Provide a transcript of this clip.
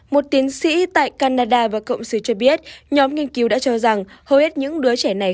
một tiến sĩ tại canada và cộng sự cho biết nhóm nghiên cứu đã cho rằng hầu hết những đứa trẻ này